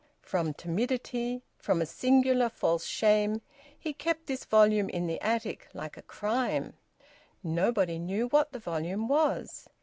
From timidity, from a singular false shame, he kept this volume in the attic, like a crime; nobody knew what the volume was.